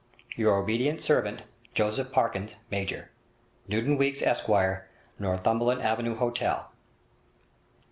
Your obedient servant, Joseph Parkins, Major. Newton Weeks, Esq., Northumberland Avenue Hotel.'